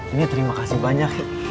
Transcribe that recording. ini terima kasih banyak